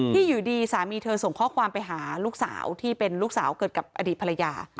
อยู่ดีสามีเธอส่งข้อความไปหาลูกสาวที่เป็นลูกสาวเกิดกับอดีตภรรยา